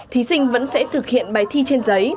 thí sinh vẫn sẽ thực hiện bài thi trên giấy